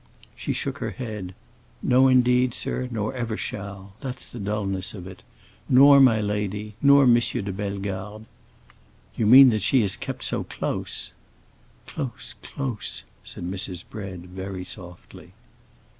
She shook her head. "No, indeed, sir, nor ever shall. That's the dullness of it. Nor my lady. Nor M. de Bellegarde." "You mean that she is kept so close." "Close, close," said Mrs. Bread, very softly.